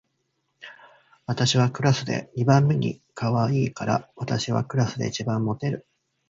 私はクラスで二番目にかわいいから、私はクラスで一番モテる